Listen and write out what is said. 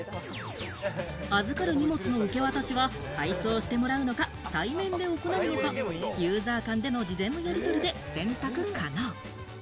預かる荷物の受け渡しは配送してもらうのか、対面で行うのか、ユーザー間での事前のやりとりで選択可能。